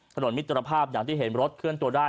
มิตรภาพอย่างที่เห็นรถเคลื่อนตัวได้